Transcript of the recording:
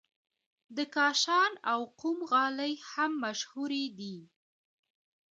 د کاشان او قم غالۍ هم مشهورې دي.